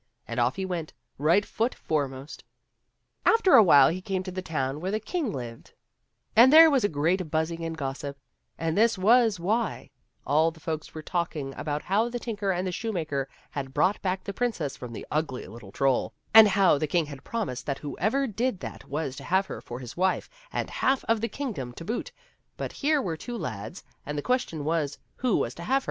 and off he went, right foot foremost. After a while he came to the town where the king lived, and there was a great buzzing and gossip, and this was why : all the folks were talking about how the tinker and the shoemaker had brought back the princess from the ugly little troll, and of how the king had promised that whoe^^er did that was to have her for his wife and half of the kingdom to boot ; but here were two lads, and the question was who was to have her.